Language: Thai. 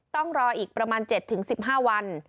ต้องรออีกประมาณ๗๑๕วัน